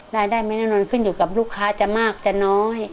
ได้ไม่แน่นอนขึ้นอยู่กับลูกค้าจะมากจะน้อย